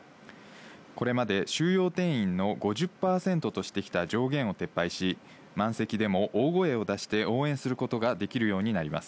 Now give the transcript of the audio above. これまで収容定員の５０％としてきた上限を撤廃し、満席でも大声を出して応援することができるようになります。